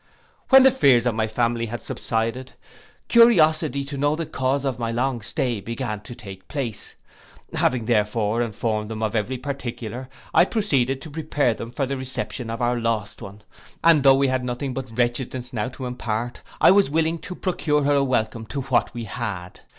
When the fears of my family had subsided, curiosity to know the cause of my long stay began to take place; having therefore informed them of every particular, I proceeded to prepare them for the reception of our lost one, and tho' we had nothing but wretchedness now to impart, I was willing to procure her a welcome to what we had.